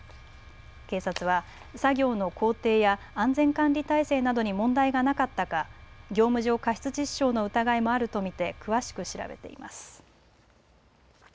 警察は作業の工程や安全管理態勢などに問題がなかったか業務上過失致死傷の疑いもあると見て詳しく調べています。